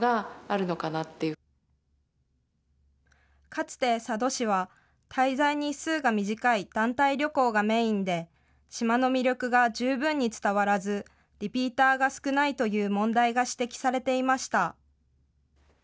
かつて佐渡市は、滞在日数が短い団体旅行がメインで、島の魅力が十分に伝わらず、リピーターが少ないという問題が指摘されていました。